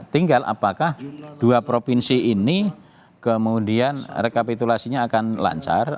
tinggal apakah dua provinsi ini kemudian rekapitulasinya akan lancar